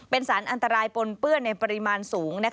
เป็นสารอันตรายปนเปื้อนในปริมาณสูง